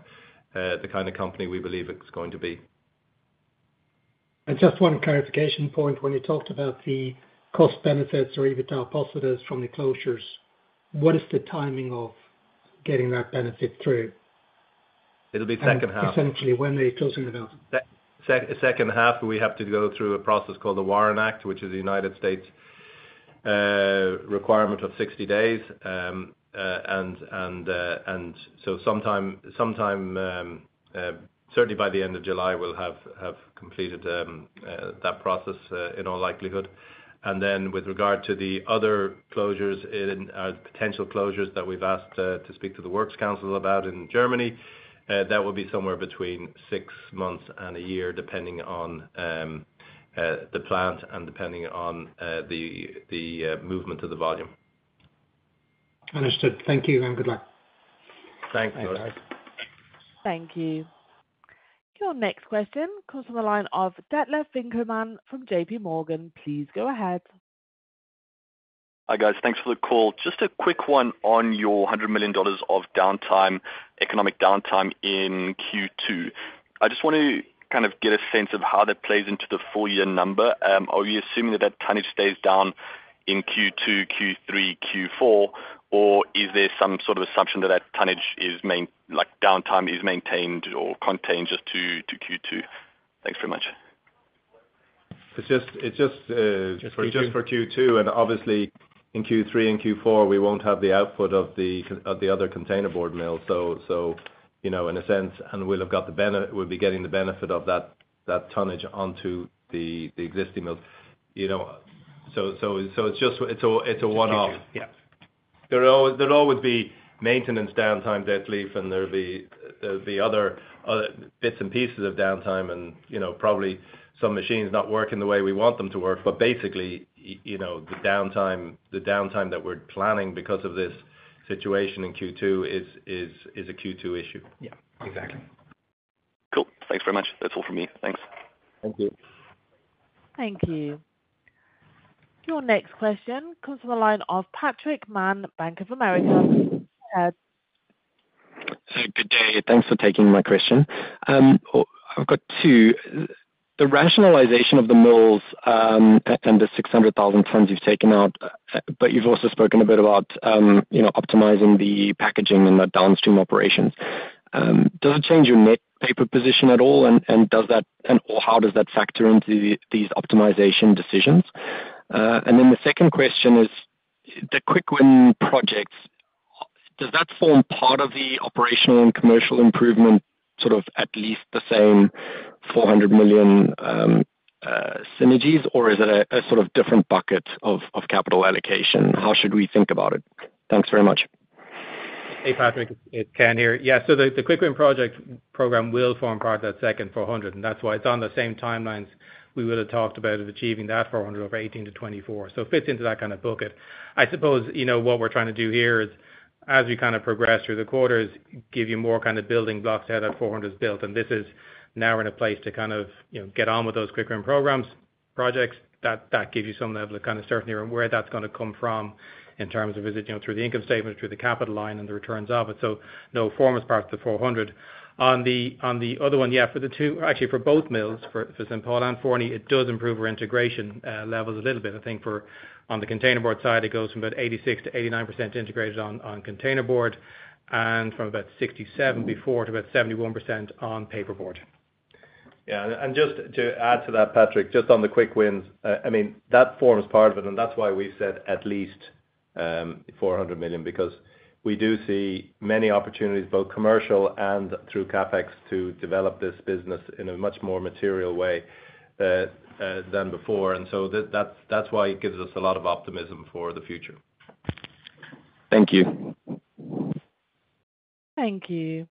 the kind of company we believe it's going to be. Just one clarification point. When you talked about the cost benefits or even depositors from the closures, what is the timing of getting that benefit through? It'll be second half. Essentially, when are you closing the mills? Second half, we have to go through a process called the WARN Act, which is the U.S. requirement of 60 days. Sometime, certainly by the end of July, we'll have completed that process in all likelihood. With regard to the other closures or potential closures that we've asked to speak to the Works Council about in Germany, that will be somewhere between six months and a year depending on the plant and depending on the movement of the volume. Understood. Thank you and good luck. Thanks, Lars. Thank you. Your next question comes from the line of Detlef Winckelmann from JPMorgan. Please go ahead. Hi, guys. Thanks for the call. Just a quick one on your $100 million of economic downtime in Q2. I just want to kind of get a sense of how that plays into the full year number. Are we assuming that that tonnage stays down in Q2, Q3, Q4, or is there some sort of assumption that that tonnage is downtime is maintained or contained just to Q2? Thanks very much. It's just for Q2. Obviously, in Q3 and Q4, we won't have the output of the other containerboard mills. In a sense, we'll be getting the benefit of that tonnage onto the existing mills. It's a one-off. There will always be maintenance downtime, dead load, and there will be other bits and pieces of downtime and probably some machines not working the way we want them to work. Basically, the downtime that we're planning because of this situation in Q2 is a Q2 issue. Yeah, exactly. Cool. Thanks very much. That's all from me. Thanks. Thank you. Thank you. Your next question comes from the line of Patrick Mann, Bank of America. Good day. Thanks for taking my question. I've got two. The rationalization of the mills and the 600,000 tons you've taken out, but you've also spoken a bit about optimizing the packaging and the downstream operations. Does it change your net paper position at all? How does that factor into these optimization decisions? The second question is, the quick win projects, does that form part of the operational and commercial improvement, sort of at least the same $400 million synergies, or is it a sort of different bucket of capital allocation? How should we think about it? Thanks very much. Hey, Patrick. It's Ken here. Yeah. The quick win project program will form part of that second 400. That is why it is on the same timelines we would have talked about of achieving that 400 over 2018 to 2024. It fits into that kind of bucket. I suppose what we are trying to do here is, as we progress through the quarters, give you more building blocks to have that 400 is built. This is now in a place to get on with those quick win programs, projects that give you some level of certainty around where that is going to come from in terms of is it through the income statement, through the capital line, and the returns of it. No form is part of the 400. On the other one, yeah, for the two, actually for both mills, for St. Paul and Florence, it does improve our integration levels a little bit. I think on the containerboard side, it goes from about 86% to 89% integrated on containerboard and from about 67% before to about 71% on paperboard. Yeah. Just to add to that, Patrick, just on the quick wins, I mean, that forms part of it. That is why we said at least $400 million because we do see many opportunities, both commercial and through CapEx, to develop this business in a much more material way than before. That is why it gives us a lot of optimism for the future. Thank you. Thank you. Thank you.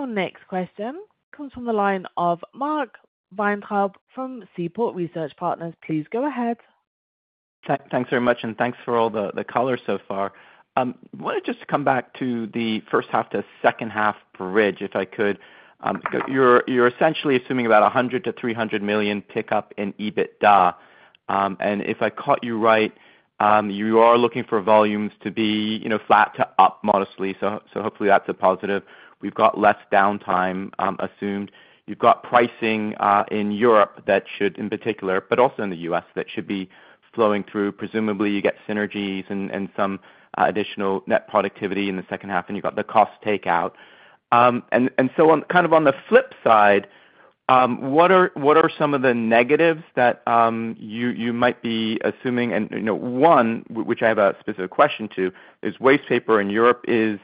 Your next question comes from the line of Mark Weintraub from Seaport Research Partners. Please go ahead. Thanks very much. Thanks for all the color so far. I want to just come back to the first half to second half bridge if I could. You're essentially assuming about $100 million-$300 million pickup in EBITDA. If I caught you right, you are looking for volumes to be flat to up modestly. Hopefully that's a positive. We've got less downtime assumed. You've got pricing in Europe that should, in particular, but also in the U.S., that should be flowing through. Presumably, you get synergies and some additional net productivity in the second half, and you've got the cost takeout. On the flip side, what are some of the negatives that you might be assuming? One, which I have a specific question to, is waste paper in Europe is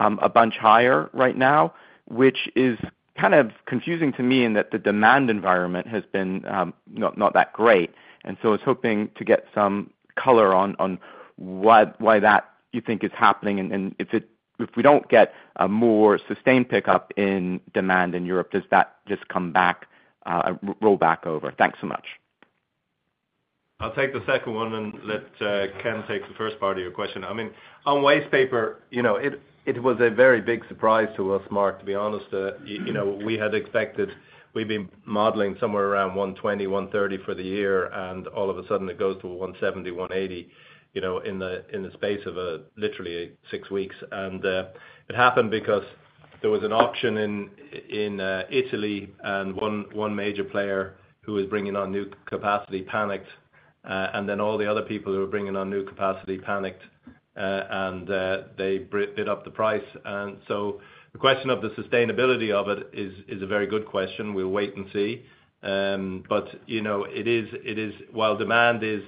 a bunch higher right now, which is kind of confusing to me in that the demand environment has been not that great. I was hoping to get some color on why that you think is happening. If we do not get a more sustained pickup in demand in Europe, does that just come back, roll back over? Thanks so much. I'll take the second one and let Ken take the first part of your question. I mean, on waste paper, it was a very big surprise to us, Mark, to be honest. We had expected we've been modeling somewhere around $120-$130 for the year, and all of a sudden it goes to $170-$180 in the space of literally six weeks. It happened because there was an auction in Italy, and one major player who was bringing on new capacity panicked. Then all the other people who were bringing on new capacity panicked, and they bid up the price. The question of the sustainability of it is a very good question. We'll wait and see. It is, while demand is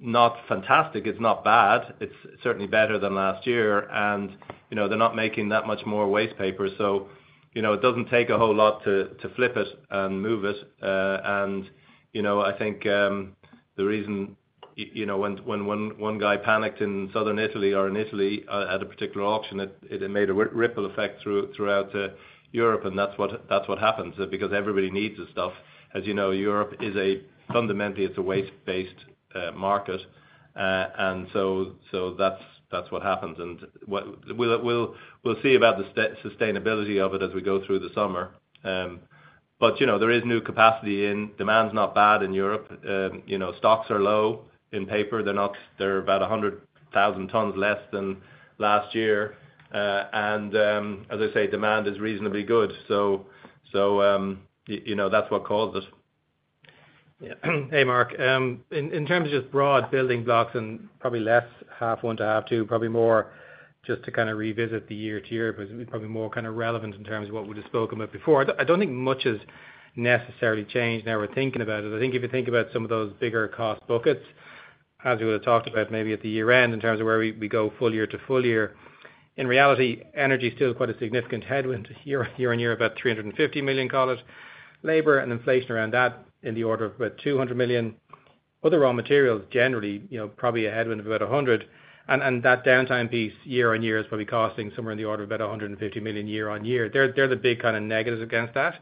not fantastic, it's not bad. It's certainly better than last year. They're not making that much more waste paper. It does not take a whole lot to flip it and move it. I think the reason when one guy panicked in Italy at a particular auction, it made a ripple effect throughout Europe. That is what happens because everybody needs this stuff. As you know, Europe is fundamentally a waste-based market. That is what happens. We will see about the sustainability of it as we go through the summer. There is new capacity in. Demand is not bad in Europe. Stocks are low in paper. They are about 100,000 tons less than last year. As I say, demand is reasonably good. That is what caused it. Yeah. Hey, Mark. In terms of just broad building blocks and probably less half one, half two, probably more just to kind of revisit the year to year, but probably more kind of relevant in terms of what we've just spoken about before. I don't think much has necessarily changed now we're thinking about it. I think if you think about some of those bigger cost buckets, as we would have talked about maybe at the year-end in terms of where we go full year to full year, in reality, energy is still quite a significant headwind here and here, about $350 million, labor and inflation around that in the order of about $200 million. Other raw materials generally probably a headwind of about $100 million. And that downtime piece year on year is probably costing somewhere in the order of about $150 million year on year. They're the big kind of negatives against that.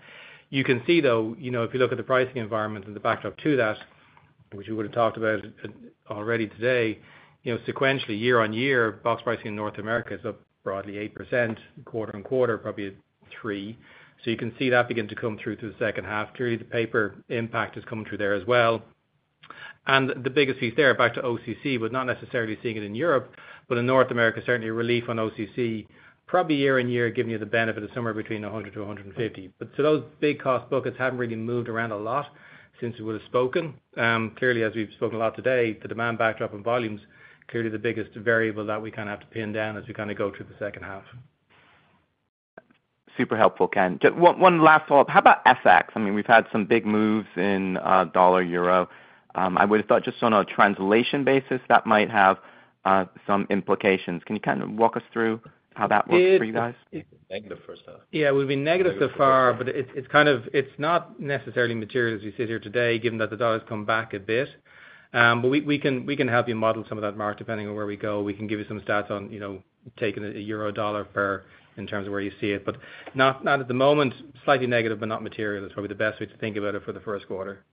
You can see though, if you look at the pricing environment and the backdrop to that, which we would have talked about already today, sequentially year on year, box pricing in North America is up broadly 8%, quarter on quarter probably 3%. You can see that begin to come through through the second half. Clearly, the paper impact has come through there as well. The biggest piece there, back to OCC, we're not necessarily seeing it in Europe, but in North America, certainly a relief on OCC, probably year on year, giving you the benefit of somewhere between $100-$150. Those big cost buckets haven't really moved around a lot since we would have spoken. Clearly, as we've spoken a lot today, the demand backdrop and volumes, clearly the biggest variable that we kind of have to pin down as we kind of go through the second half. Super helpful, Ken. One last thought. How about FX? I mean, we've had some big moves in dollar euro. I would have thought just on a translation basis, that might have some implications. Can you kind of walk us through how that works for you guys? Negative for us, though. Yeah, we've been negative so far, but it's kind of not necessarily material as we sit here today, given that the dollar has come back a bit. We can help you model some of that, Mark, depending on where we go. We can give you some stats on taking a euro dollar pair in terms of where you see it. Not at the moment, slightly negative, but not material. That's probably the best way to think about it for the first quarter,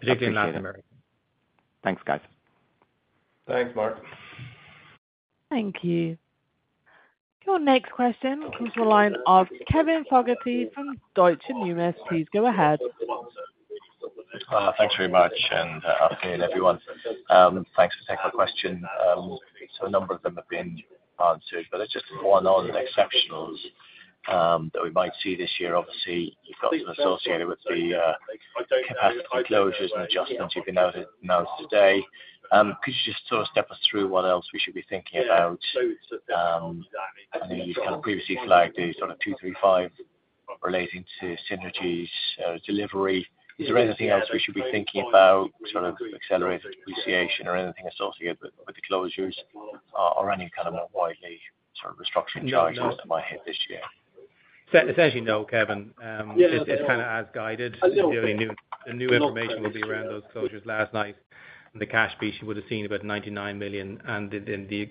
particularly in Latin America. Thanks, guys. Thanks, Mark. Thank you. Your next question comes from the line of Kevin Fogarty from Deutsche Bank. Please go ahead. Thanks very much. Afternoon, everyone. Thanks for taking my question. A number of them have been answered, but it's just the four non-exceptionals that we might see this year. Obviously, you've got some associated with the capacity closures and adjustments you've announced today. Could you just sort of step us through what else we should be thinking about? I know you've kind of previously flagged the sort of 2, 3, 5 relating to synergies delivery. Is there anything else we should be thinking about, sort of accelerated depreciation or anything associated with the closures or any kind of more widely sort of restructuring charges that might hit this year? Essentially, no, Kevin. It's kind of as guided. The new information will be around those closures last night. The cash piece you would have seen about $99 million. And then the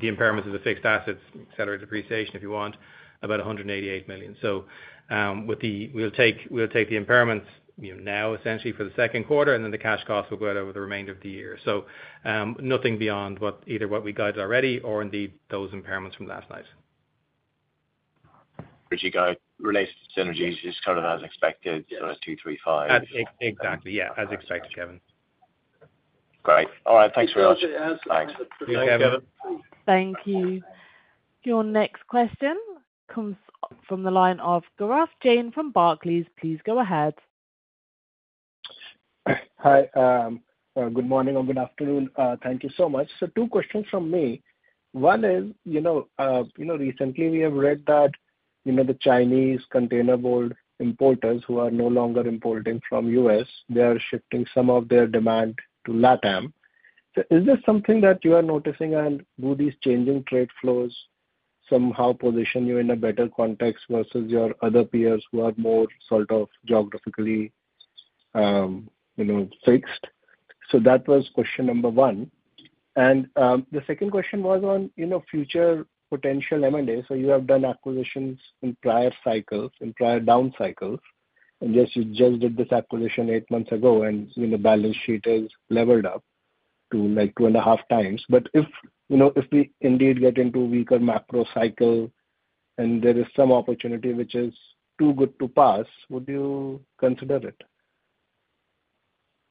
impairments of the fixed assets, accelerated depreciation, if you want, about $188 million. We'll take the impairments now, essentially, for the second quarter, and then the cash costs will go over the remainder of the year. Nothing beyond either what we guided already or indeed those impairments from last night. As you go, related to synergies, it's kind of as expected, sort of 2, 3, 5. Exactly. Yeah, as expected, Kevin. Great. All right. Thanks very much. Thanks. Thank you. Your next question comes from the line of Gaurav Jain from Barclays. Please go ahead. Hi. Good morning or good afternoon. Thank you so much. Two questions from me. One is, recently we have read that the Chinese containerboard importers who are no longer importing from the US, they are shifting some of their demand to Latin America. Is this something that you are noticing? Do these changing trade flows somehow position you in a better context versus your other peers who are more sort of geographically fixed? That was question number one. The second question was on future potential M&A. You have done acquisitions in prior cycles, in prior down cycles. Yes, you just did this acquisition eight months ago, and the balance sheet has leveled up to like two and a half times. If we indeed get into a weaker macro cycle and there is some opportunity which is too good to pass, would you consider it?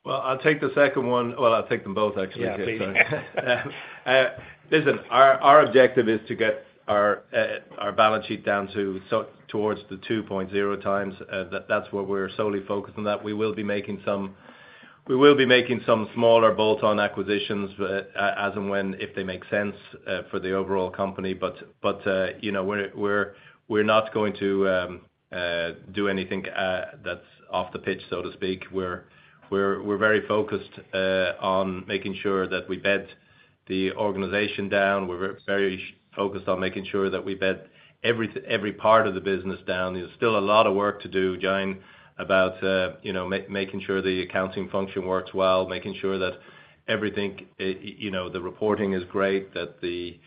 I'll take the second one. I'll take them both, actually. Yeah, please. Listen, our objective is to get our balance sheet down towards the 2.0 times. That's where we're solely focused on that. We will be making some smaller bolt-on acquisitions as and when if they make sense for the overall company. We're not going to do anything that's off the pitch, so to speak. We're very focused on making sure that we bed the organization down. We're very focused on making sure that we bed every part of the business down. There's still a lot of work to do, Jain, about making sure the accounting function works well, making sure that everything, the reporting is great, that the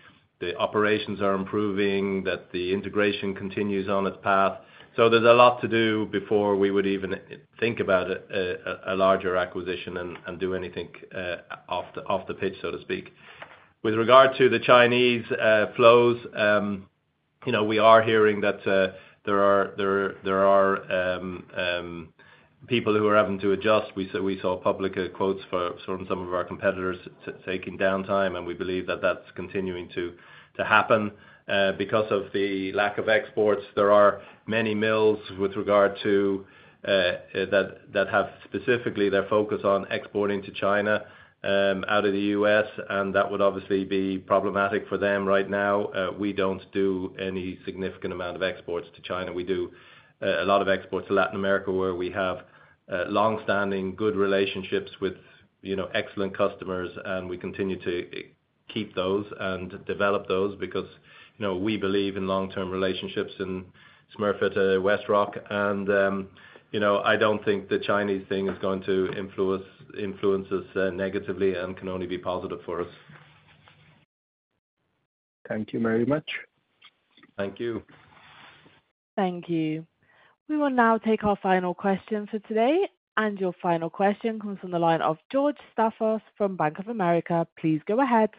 operations are improving, that the integration continues on its path. There's a lot to do before we would even think about a larger acquisition and do anything off the pitch, so to speak. With regard to the Chinese flows, we are hearing that there are people who are having to adjust. We saw public quotes from some of our competitors taking downtime, and we believe that is continuing to happen. Because of the lack of exports, there are many mills that have specifically their focus on exporting to China out of the U.S. That would obviously be problematic for them right now. We do not do any significant amount of exports to China. We do a lot of exports to Latin America, where we have long-standing good relationships with excellent customers. We continue to keep those and develop those because we believe in long-term relationships in Smurfit Westrock. I do not think the Chinese thing is going to influence us negatively and can only be positive for us. Thank you very much. Thank you. Thank you. We will now take our final question for today. Your final question comes from the line of George Staphos from Bank of America. Please go ahead.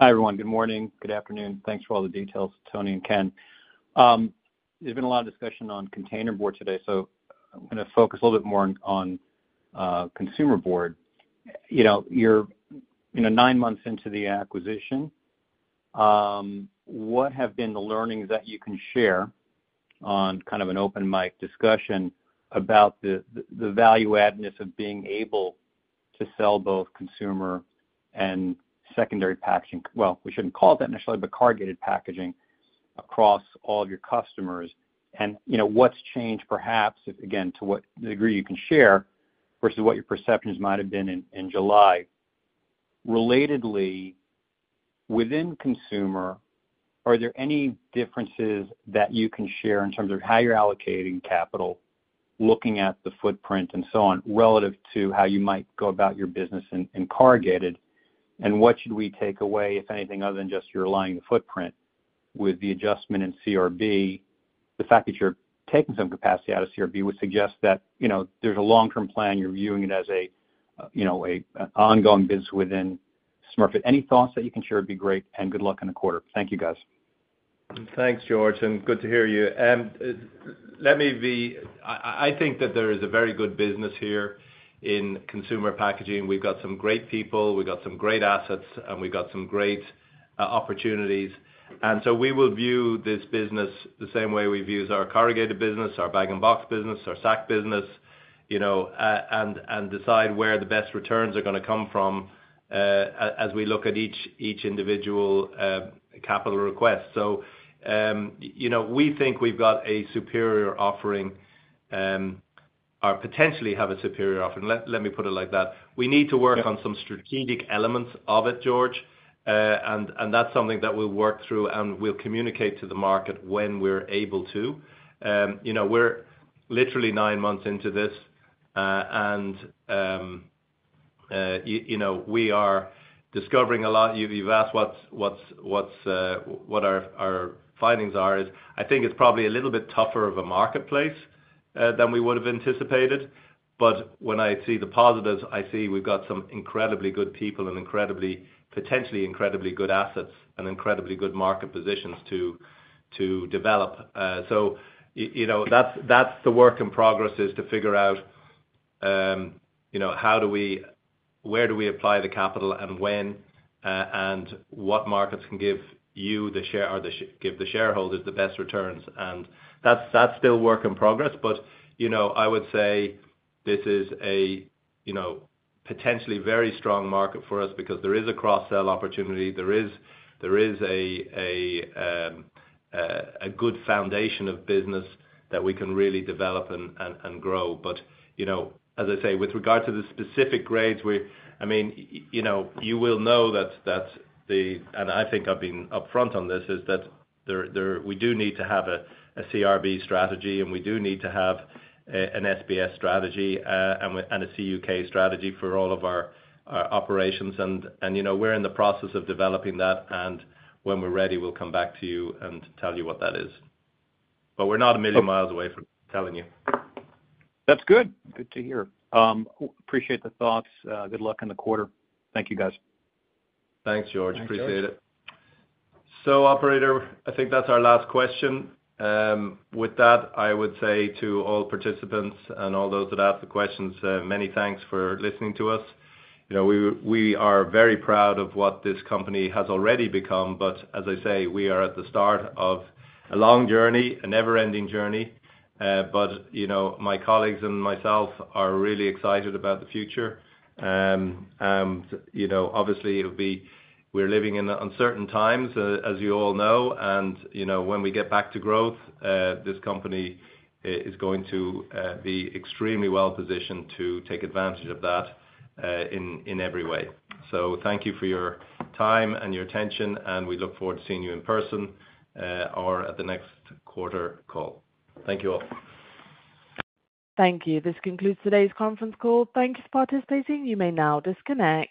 Hi everyone. Good morning. Good afternoon. Thanks for all the details, Tony and Ken. There has been a lot of discussion on containerboard today. I am going to focus a little bit more on consumer board. You are nine months into the acquisition. What have been the learnings that you can share on kind of an open mic discussion about the value addness of being able to sell both consumer and secondary packaging? We should not call it that necessarily, but corrugated packaging across all of your customers. What has changed, perhaps, again, to what degree you can share versus what your perceptions might have been in July? Relatedly, within consumer, are there any differences that you can share in terms of how you are allocating capital, looking at the footprint and so on, relative to how you might go about your business in corrugated? What should we take away, if anything, other than just you're aligning the footprint with the adjustment in CRB? The fact that you're taking some capacity out of CRB would suggest that there's a long-term plan. You're viewing it as an ongoing business within Smurfit Westrock. Any thoughts that you can share would be great. Good luck in the quarter. Thank you, guys. Thanks, George. Good to hear you. Let me be, I think that there is a very good business here in consumer packaging. We've got some great people. We've got some great assets, and we've got some great opportunities. We will view this business the same way we view our corrugated business, our Bag-in-Box business, our sack business, and decide where the best returns are going to come from as we look at each individual capital request. We think we've got a superior offering or potentially have a superior offering, let me put it like that. We need to work on some strategic elements of it, George. That is something that we'll work through, and we'll communicate to the market when we're able to. We're literally nine months into this, and we are discovering a lot. You've asked what our findings are. I think it's probably a little bit tougher of a marketplace than we would have anticipated. When I see the positives, I see we've got some incredibly good people and potentially incredibly good assets and incredibly good market positions to develop. That's the work in progress, to figure out how do we, where do we apply the capital and when, and what markets can give you the share or give the shareholders the best returns. That's still work in progress. I would say this is a potentially very strong market for us because there is a cross-sell opportunity. There is a good foundation of business that we can really develop and grow. As I say, with regard to the specific grades, I mean, you will know that the—and I think I've been upfront on this—is that we do need to have a CRB strategy, and we do need to have an SBS strategy and a CUK strategy for all of our operations. We are in the process of developing that. When we are ready, we will come back to you and tell you what that is. We are not a million miles away from telling you. That's good. Good to hear. Appreciate the thoughts. Good luck in the quarter. Thank you, guys. Thanks, George. Appreciate it. Thank you. Operator, I think that's our last question. With that, I would say to all participants and all those that asked the questions, many thanks for listening to us. We are very proud of what this company has already become. As I say, we are at the start of a long journey, a never-ending journey. My colleagues and myself are really excited about the future. Obviously, we're living in uncertain times, as you all know. When we get back to growth, this company is going to be extremely well positioned to take advantage of that in every way. Thank you for your time and your attention, and we look forward to seeing you in person or at the next quarter call. Thank you all. Thank you. This concludes today's conference call. Thank you for participating. You may now disconnect.